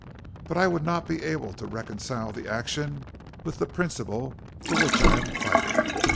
But I would not be able to reconcile the action with the principle for which I am fighting.